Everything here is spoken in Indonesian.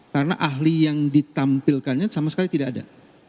karena ahli yang ditampilkannya sama sekali tidak ada